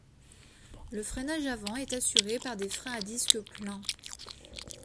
Le freinage avant est assuré par des freins à disques pleins.